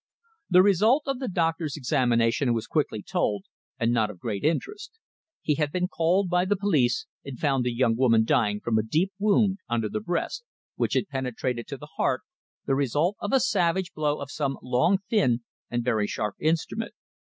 The result of the doctor's examination was quickly told, and not of great interest. He had been called by the police and found the young woman dying from a deep wound under the breast, which had penetrated to the heart, the result of a savage blow with some long, thin, and very sharp instrument.